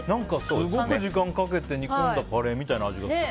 すごく時間をかけて煮込んだカレーみたいな味がする。